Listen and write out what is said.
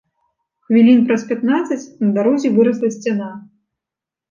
Хвілін праз пятнаццаць на дарозе вырасла сцяна.